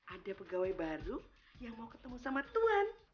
ada pegawai baru yang mau ketemu sama tuhan